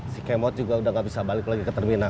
si kemot juga udah gabisa balik lagi ke terminal